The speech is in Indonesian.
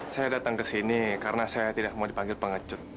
saya datang ke sini karena saya tidak mau dipanggil pengecut